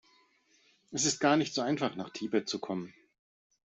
Es ist gar nicht so einfach, nach Tibet zu kommen.